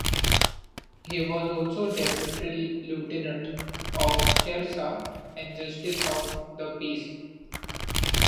He was also Deputy Lieutenant of Cheshire and Justice of the Peace.